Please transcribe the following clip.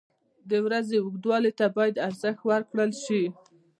• د ورځې اوږدوالي ته باید ارزښت ورکړل شي.